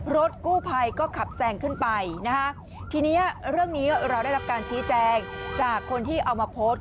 รถกู้ภัยก็ขับแซงขึ้นไปนะฮะทีนี้เรื่องนี้เราได้รับการชี้แจงจากคนที่เอามาโพสต์